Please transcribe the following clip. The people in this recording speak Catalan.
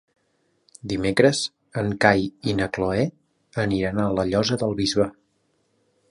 Dimecres en Cai i na Cloè aniran a la Llosa del Bisbe.